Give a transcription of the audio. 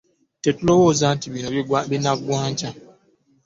Tetulowooza nti bino binaggwa nkya.